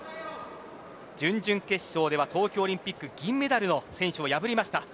準々決勝では、東京オリンピック銀メダルの選手を破りました。